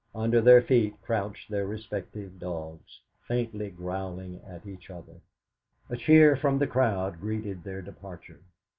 Under their feet crouched their respective dogs, faintly growling at each other. A cheer from the crowd greeted their departure.